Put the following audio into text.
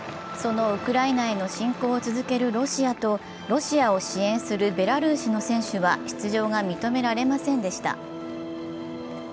そのウクライナへの侵攻を続けるロシアとロシアを支援するベラルーシの選手は出場が認められませんした。